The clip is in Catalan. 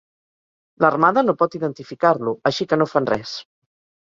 L'Armada no pot identificar-lo, així que no fan res.